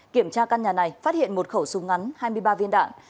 kiểm tra căn nhà này phát hiện một khẩu súng ngắn hai mươi ba viên đạn